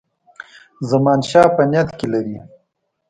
زمانشاه په نیت کې لري.